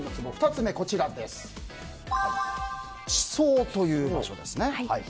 ２つ目、地倉という場所です。